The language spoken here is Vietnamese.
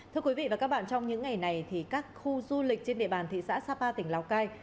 thưa quý vị và các bạn trong những ngày này thì các khu du lịch trên địa bàn thị xã sapa tỉnh lào cai